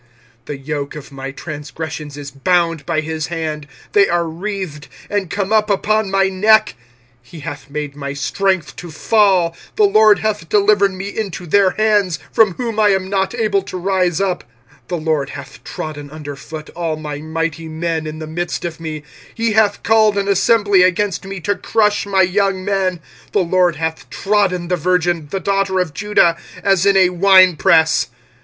25:001:014 The yoke of my transgressions is bound by his hand: they are wreathed, and come up upon my neck: he hath made my strength to fall, the LORD hath delivered me into their hands, from whom I am not able to rise up. 25:001:015 The LORD hath trodden under foot all my mighty men in the midst of me: he hath called an assembly against me to crush my young men: the LORD hath trodden the virgin, the daughter of Judah, as in a winepress.